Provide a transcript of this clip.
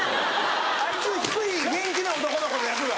ＩＱ低い元気な男の子の役が。